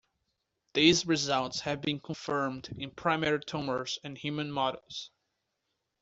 These results have been confirmed in primary tumors and human models.